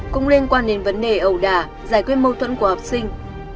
cũng liên quan đến vấn đề ẩu đà giải quyết mâu thuẫn của học sinh